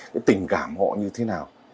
cái tình cảm họ như thế nào